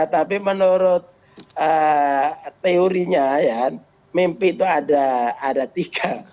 tapi menurut teorinya ya mimpi itu ada tiga